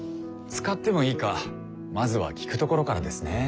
使ってもいいかまずは聞くところからですね。